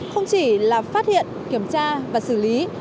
không chỉ là phát hiện kiểm tra và xử lý